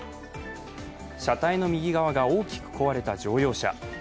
車体の右側が大きく壊れた乗用車。